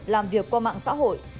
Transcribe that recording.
làm việc qua mạng xã hội